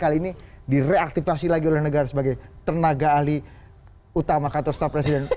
kali ini direaktivasi lagi oleh negara sebagai tenaga ahli utama kantor staf presiden